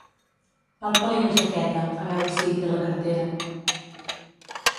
Palpa-li la jaqueta, a veure si hi té la cartera.